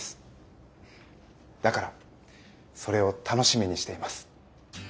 だからそれを楽しみにしています。